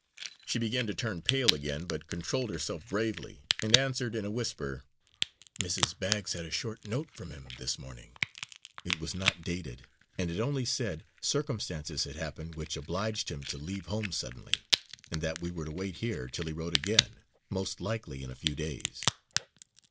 She began to turn pale again, but controlled herself bravely, and answered in a whisper: "Mrs. Baggs had a short note from him this morning. It was not dated; and it only said circumstances had happened which obliged him to leave home suddenly, and that we were to wait here till be wrote again, most likely in a few days."